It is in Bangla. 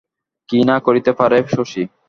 কী না করিতে পারে শশী?